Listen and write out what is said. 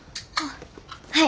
はい。